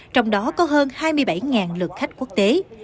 trong đó có hơn hai mươi bảy lượt khách quốc tế